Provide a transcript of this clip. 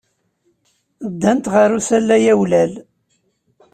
Ddant ɣer usalay awlal.